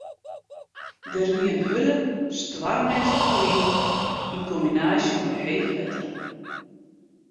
Der wie in hurde, stoarmige wyn yn kombinaasje mei heech wetter.